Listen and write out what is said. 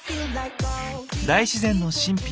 大自然の神秘。